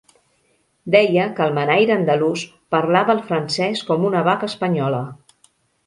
Deia que el manaire andalús "parlava el francès com una vaca espanyola".